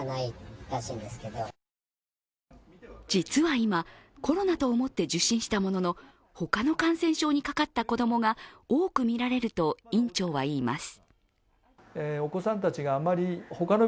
実は今、コロナと思って受診したものの、他の感染症にかかった子供が多く見られると院長は言います。